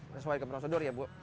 sesuai ke prosedur ya bu